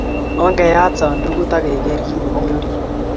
Ongeyat sandukut ak keker kit ne mi orit